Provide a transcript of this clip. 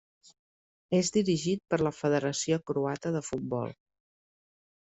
És dirigit per la Federació Croata de Futbol.